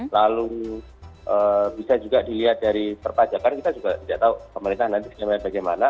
lalu bisa juga dilihat dari perpajakan kita juga tidak tahu pemerintah nantinya bagaimana